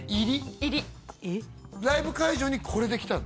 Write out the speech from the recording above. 入りライブ会場にこれで来たの？